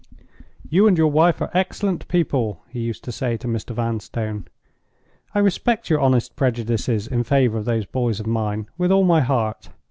"You and your wife are excellent people," he used to say to Mr. Vanstone. "I respect your honest prejudices in favor of those boys of mine with all my heart.